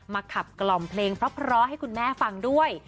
ขับกล่อมเพลงเพราะให้คุณแม่ฟังด้วย